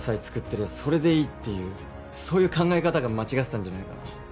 てりゃそれでいいっていうそういう考え方が間違ってたんじゃないかな